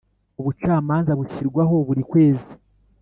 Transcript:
Ubucamanza bushyirwaho burikwezi.